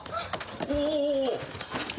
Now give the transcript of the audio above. お。